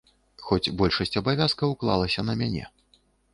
Хоць большасць абавязкаў клалася на мяне.